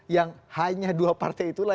yang hanya dua partai itulah